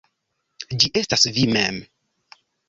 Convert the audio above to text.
Ĝi estas vi mem.